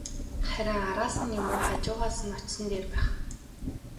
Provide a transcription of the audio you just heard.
Харин араас нь юм уу, хажуугаас нь очсон нь дээр байх.